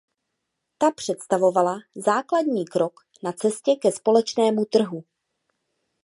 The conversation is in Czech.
Ta představovala základní krok na cestě ke společnému trhu.